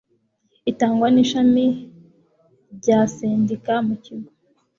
itangwa n ishami rya sendika mu kigo